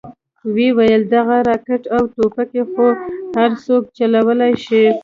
ويې ويل دغه راکټ او ټوپکې خو هرسوک چلوې شي.